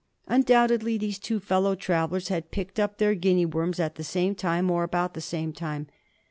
Undoubtedly these two fellow travellers had picked up their Guinea worms at the same time, or about the same time.